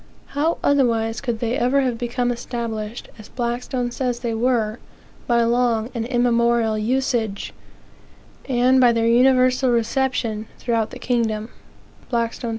How otherwise could they ever have become established, as Blackstone says they were, "by long and immemorial usage, and by their universal reception throughout the kingdom," 1 Blackstone,63 67.